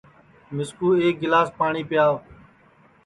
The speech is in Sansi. مِسکُو ایک گِلاس پاٹؔی پیاو